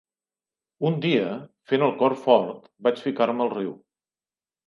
Un dia, fent el cor fort, vaig ficar-me al riu